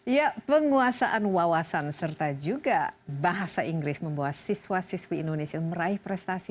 ya penguasaan wawasan serta juga bahasa inggris membuat siswa siswi indonesia meraih prestasi